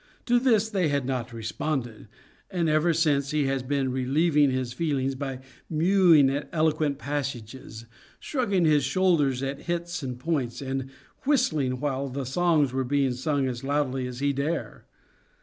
To this they had not responded, and ever since he has been relieving his feelings by mewing at eloquent passages, shrugging his shoulders at hits and points, and whistling while the songs were being sung as loudly as he dare.